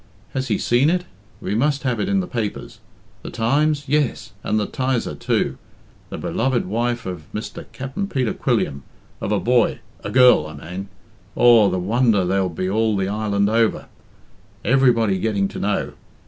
Has he seen it? We must have it in the papers. The _Times?_Yes, and the 'Tiser too. 'The beloved wife of Mr. Capt'n Peter Quilliam, of a boy a girl,' I mane. Aw, the wonder there'll be all the island over everybody getting to know.